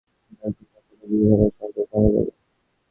বাল্য বিবাহ কমে গেলে বিধবার সংখ্যাও কমে যাবে।